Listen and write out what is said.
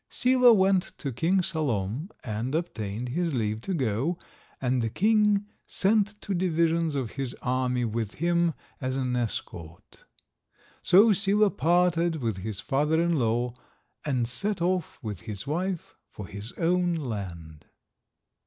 Sila went to King Salom and obtained his leave to go, and the king sent two divisions of his army with him as an escort. So Sila parted with his father in law, and set off with his wife for his own land.